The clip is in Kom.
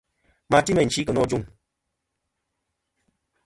À ma ti meyn chi kɨ̀ nô ajûŋ.